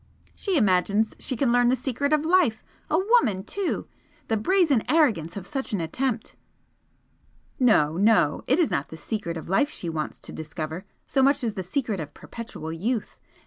"She imagines she can learn the secret of life! A woman, too! The brazen arrogance of such an attempt!" "No, no! It is not the secret of life she wants to discover so much as the secret of perpetual youth!